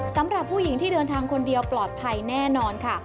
สำหรับผู้หญิงที่เดินทางคนเดียวปลอดภัยแน่นอนค่ะ